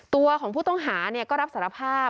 ตัวของผู้ต้องหาก็รับสารภาพ